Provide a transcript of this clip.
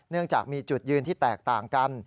เนื่องจากมีจุดยืนที่แตกต่างกัน